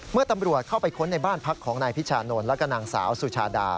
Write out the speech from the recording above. เมื่อตำรวจเข้าไปค้นในบ้านพักของนายพิชานนท์แล้วก็นางสาวสุชาดา